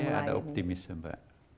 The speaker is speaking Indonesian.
saya ada optimisme mbak